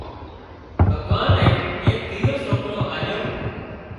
ڀڳوانئي ايڪ ٻيزو سوڪرو آليو